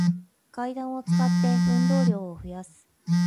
階段を使って、運動量を増やす